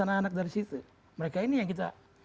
anak anak dari situ mereka ini yang kita